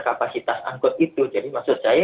kapasitas angkut itu jadi maksud saya